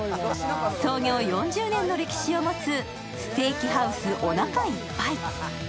創業４０年の歴史を持つステーキハウスおなかいっぱい。